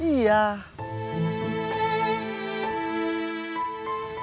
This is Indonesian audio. biar tambah cantik